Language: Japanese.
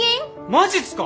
マジすか！？